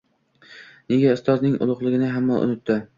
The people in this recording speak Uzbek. Nega, ustozning ulug‘ligini hamma unutdi.